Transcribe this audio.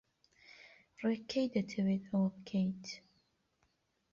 ڕێک کەی دەتەوێت ئەوە بکەیت؟